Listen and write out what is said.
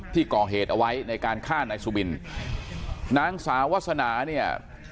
ที่ก่อเหตุเอาไว้ในการฆ่านายสุบินนางสาวาสนาเนี่ย